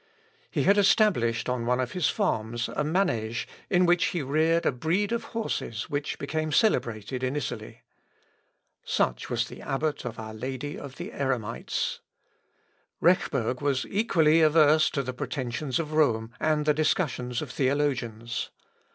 He had established on one of his farms a manêge in which he reared a breed of horses which became celebrated in Italy. Such was the abbot of our Lady of the Eremites. Rechberg was equally averse to the pretensions of Rome and the discussions of theologians.